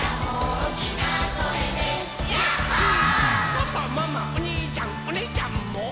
「パパママおにいちゃんおねぇちゃんも」